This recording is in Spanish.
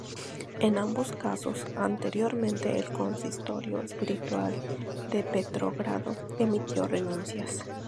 En ambos casos, anteriormente, el consistorio espiritual de Petrogrado emitió renuncias.